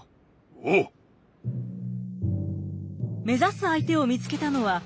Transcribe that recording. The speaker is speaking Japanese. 目指す相手を見つけたのは近藤隊。